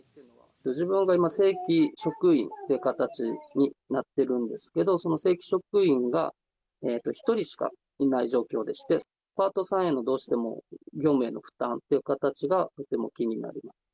自分が今、正規職員って形になってるんですけど、その正規職員が１人しかいない状況でして、パートさんへの、どうしても業務への負担という形がとても気になる。